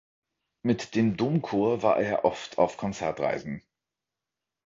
Mit dem Domchor war er oft auf Konzertreisen.